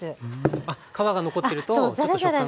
あっ皮が残ってるとちょっと食感が。